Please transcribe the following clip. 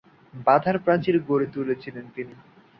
বাঁধার প্রাচীর গড়ে তুলেছিলেন তিনি।